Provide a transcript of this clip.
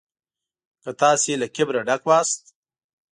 که تاسو له کبره ډک وئ.